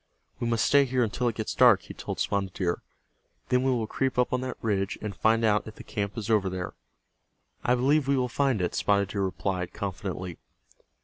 "We must stay here until it gets dark," he told Spotted Deer. "Then we will creep up on that ridge, and find out if the camp is over there." "I believe we will find it," Spotted Deer replied, confidently.